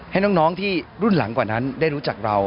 ให้น้องที่รุ่นหลังกว่านั้นได้รู้จักเรา